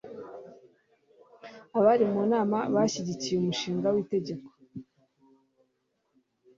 Abari mu nama bashyigikiye umushinga witegeko